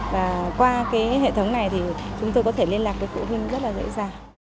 và qua cái hệ thống này thì chúng tôi có thể liên lạc với phụ huynh rất là dễ dàng